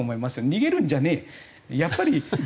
「逃げるんじゃねえ！」。